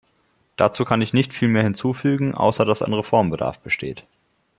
Dazu kann ich nicht mehr viel hinzufügen, außer dass ein Reformbedarf besteht.